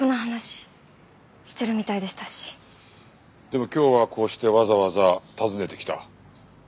でも今日はこうしてわざわざ訪ねてきた。